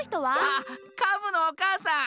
あっカブのおかあさん！